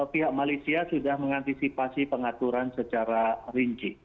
pihak malaysia sudah mengantisipasi pengaturan secara rinci